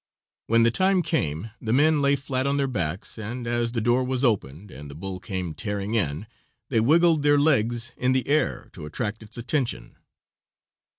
When the time came the men lay flat on their backs, and and as the door was opened and the bull came tearing in, they wiggled their legs in the air to attract its attention.